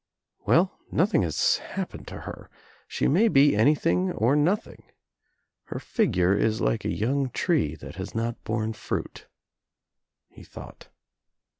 "Well, nothing has happened to her. She may be . anything or nothing. Her figure is like a young tree I that has not borne fruit," he thought.